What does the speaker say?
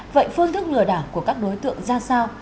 vậy phương thức lừa đảo của các đối tượng ra sao